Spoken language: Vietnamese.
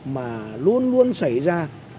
mà luôn luôn xảy ra